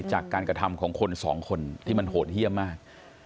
จากการกระทำของคนสองคนที่มันโหดเยี่ยมมาก